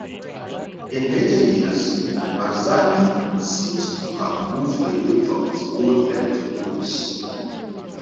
In later years, Marzani seems to have moved away from his Old Left roots.